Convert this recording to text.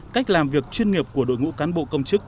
cách làm việc chuyên nghiệp của đội ngũ cán bộ công chức